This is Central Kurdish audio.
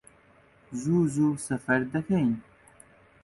زوو زوو سەفەر دەکەین